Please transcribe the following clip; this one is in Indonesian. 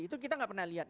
itu kita tidak pernah lihat